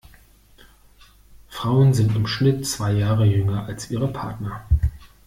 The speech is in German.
Frauen sind im Schnitt zwei Jahre jünger als ihre Partner.